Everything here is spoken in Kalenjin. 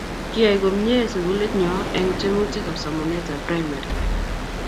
kiyai komye sukulit nyo eng' tyemutikab somanetab primary